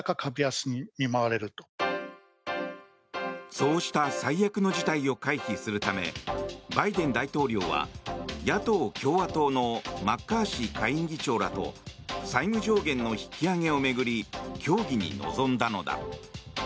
そうした最悪の事態を回避するためバイデン大統領は野党・共和党のマッカーシー下院議長らと債務上限の引き上げを巡り協議に臨んだのだ。